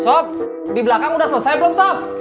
sob di belakang udah selesai belum sob